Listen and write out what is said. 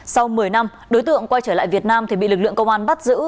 sau một mươi năm đối tượng quay trở lại việt nam thì bị lực lượng công an bắt giữ